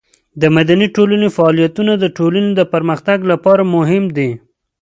د مدني ټولنې فعالیتونه د ټولنې د پرمختګ لپاره مهم دي.